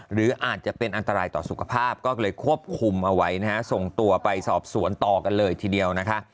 หรืออาจจะเป็นอันตรายต่อสุขภาพก็เลยควบคุมเอาไว้นะฮะส่งตัวไปสอบสวนต่อกันเลยทีเดียวนะคะ